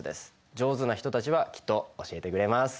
上手な人たちはきっと教えてくれます。